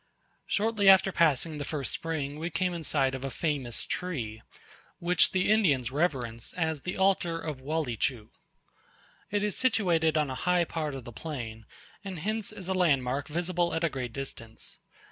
Shortly after passing the first spring we came in sight of a famous tree, which the Indians reverence as the altar of Walleechu. It is situated on a high part of the plain; and hence is a landmark visible at a great distance.